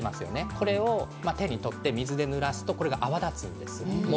これを手に取って水でぬらすとこれが泡立つんです。